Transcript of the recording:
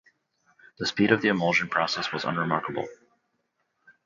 The speed of the emulsion process was unremarkable.